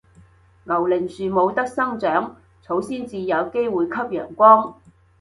牛令樹冇得生長，草先至有機會吸陽光